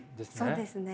そうですね。